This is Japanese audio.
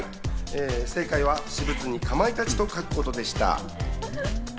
正解は、私物に「かまいたち」と書くことでした。